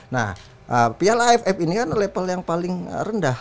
nah piala aff ini kan level yang paling rendah